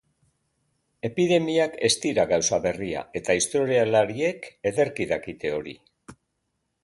Epidemiak ez dira gauza berria, eta historialariek ederki dakite hori.